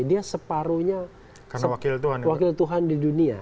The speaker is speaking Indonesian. dia separuhnya wakil tuhan di dunia